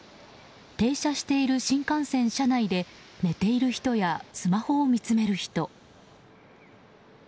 停車している新幹線車内で寝ている人やスマホを見つめる人。